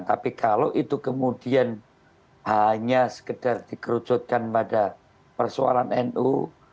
tapi kalau itu kemudian hanya sekedar dikerucutkan pada persoalan nu